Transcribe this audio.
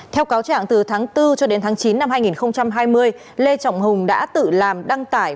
theo cáo trạng từ tháng bốn cho đến tháng chín năm hai nghìn hai mươi lê trọng hùng đã tự làm đăng tải